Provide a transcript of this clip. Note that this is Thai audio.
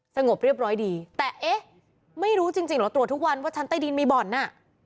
สงบเรียบร้อยดีแต่เอ๊ะไม่รู้จริงจริงเหรอตรวจทุกวันว่าชั้นใต้ดินมีบ่อนน่ะ